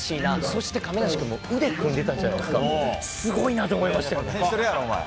そして亀梨君も腕組んでたじゃないですか、すごいなと思いましたよ。